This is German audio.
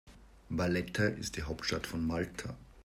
Valletta ist die Hauptstadt von Malta.